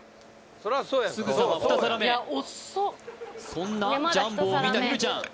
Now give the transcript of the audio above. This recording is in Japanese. すぐさま２皿目そんなジャンボを見たひるちゃん